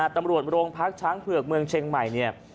ตำรวจโรงพักช้างเผือกเมืองเชียงใหม่เนี่ย